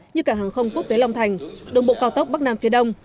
như cả hàng không quốc tế long thành đồng bộ cao tốc bắc nam phía đông